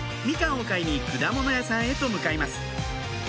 みかんを買いに果物屋さんへと向かいます